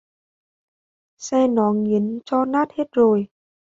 xe nó nghiếm cho nát hết rồi